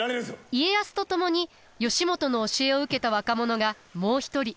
家康と共に義元の教えを受けた若者がもう一人。